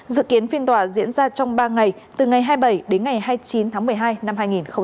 dự kiến phiên tòa diễn ra trong ba ngày từ ngày hai mươi bảy đến ngày hai mươi chín tháng một mươi hai năm hai nghìn hai mươi